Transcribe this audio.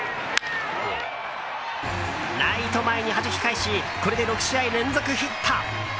ライト前にはじき返しこれで６試合連続ヒット。